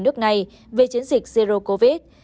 nước này về chiến dịch zero covid